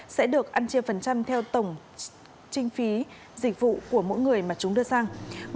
sẽ được ăn chia phần trăm theo tổng trinh phí dịch vụ của mỗi người mà chúng đưa sang